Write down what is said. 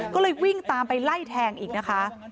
ก็เลยวิ่งตามไปไล่แทงอีกนะคะ